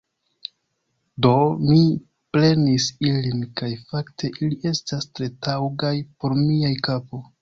Do, mi prenis ilin kaj fakte ili estas tre taŭgaj por mia kapo